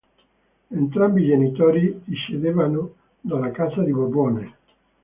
Entrambi i genitori discendevano dalla Casa di Borbone.